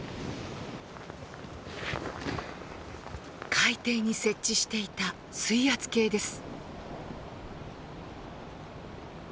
海底に設置していた水圧計です。